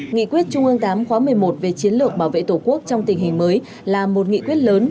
nghị quyết trung ương viii khóa một mươi một về chiến lược bảo vệ tổ quốc trong tình hình mới là một nghị quyết lớn